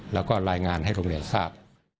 แล้วก็รายงานให้โรงเรียนทราบ